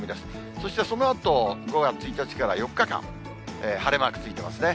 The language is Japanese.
そしてそのあと、５月１日から４日間、晴れマークついてますね。